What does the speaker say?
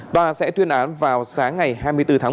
tòa sẽ tuyên án vào sáng ngày hai mươi bốn tháng một